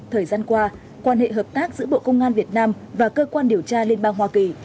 thời gian qua quan hệ hợp tác giữa bộ công an việt nam và cơ quan điều tra liên bang hoa kỳ